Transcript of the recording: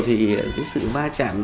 thì cái sự va chạm